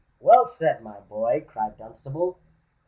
"Well said, my boy!" cried Dunstable.